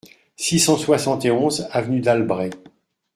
six cent soixante et onze avenue d'Albret